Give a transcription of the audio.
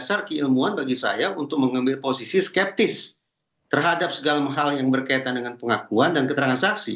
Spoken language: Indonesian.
dan saya katakan hasil risetnya yang memberikan dasar keilmuan bagi saya untuk mengambil posisi skeptis terhadap segala hal yang berkaitan dengan pengakuan dan keterangan saksi